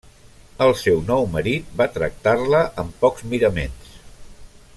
El seu nou marit va tractar-la amb pocs miraments.